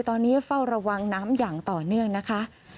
ตอนนี้เฝ้าระวังน้ำอย่างต่อเนื่องนะคะ